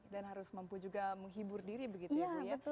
dan harus mampu juga menghibur diri begitu ya bu